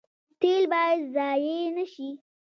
تیل باید ضایع نشي